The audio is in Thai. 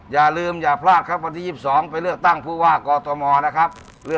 อย่าลืมอย่าพลาดครับวันที่๒๒ไปเลือกตั้งผู้ว่ากอทมนะครับ